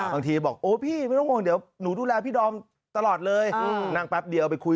มีประตูลับไหม